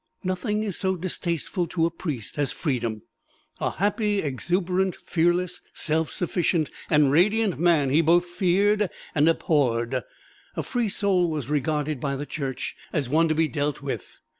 Nothing is so distasteful to a priest as freedom: a happy, exuberant, fearless, self sufficient and radiant man he both feared and abhorred. A free soul was regarded by the Church as one to be dealt with.